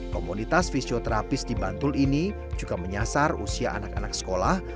komunitas fisioterapis di bantul ini juga menyasar usia anak anak sekolah